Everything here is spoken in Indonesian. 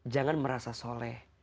jangan merasa soleh